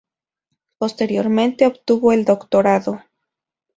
Posteriormente obtuvo el doctorado.